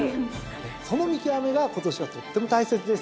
その見極めが今年はとっても大切ですよね。